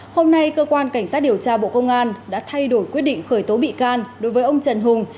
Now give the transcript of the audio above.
hôm nay cơ quan cảnh sát điều tra bộ công an đã thay đổi quyết định khởi tố bị can đối với ông trần hùng